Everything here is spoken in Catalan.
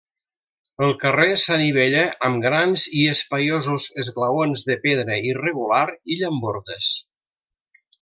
El carrer s'anivella amb grans i espaiosos esglaons de pedra irregular i llambordes.